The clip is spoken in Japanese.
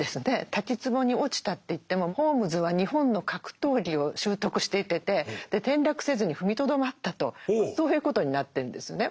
滝つぼに落ちたっていってもホームズは日本の格闘技を習得していてて転落せずに踏みとどまったとそういうことになってるんですね。